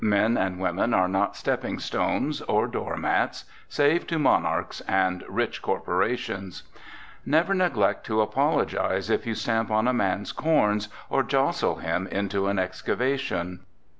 Men and women are not stepping stones or door mats, save to monarchs and rich corporations. Never neglect to apologize if you stamp on a man's corns, or jostle him into an excavation.